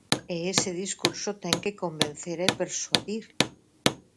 E ese discurso ten que convencer e persuadir.